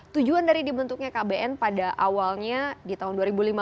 tujuan dari dibentuknya kbn pada awalnya di tahun dua ribu lima belas